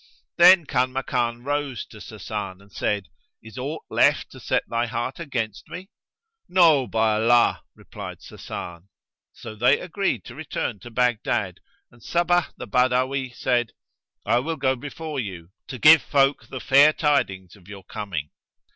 Then Kanmakan rose to Sasan and said, "Is aught left to set thy heart against me?" "No, by Allah!" replied Sasan. So they agreed to return to Baghdad and Sabbah the Badawi said, "I will go before you, to give folk the fair tidings of your coming."